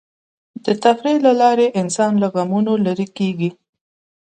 د تفریح له لارې انسان له غمونو لرې کېږي.